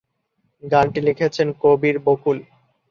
গানটি লিখেছেন কবির বকুল।